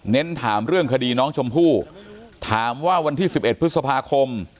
ถามเรื่องคดีน้องชมพู่ถามว่าวันที่๑๑พฤษภาคม